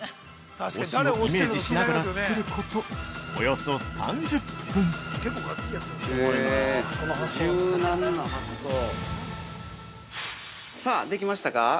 推しをイメージしながら作ることおよそ３０分◆さあ、できましたか？